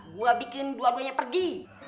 gua bikin dua duanya pergi